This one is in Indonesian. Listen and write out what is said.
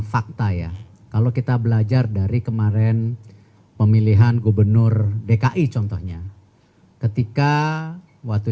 fakta ya kalau kita belajar dari kemarin pemilihan gubernur dki contohnya ketika waktu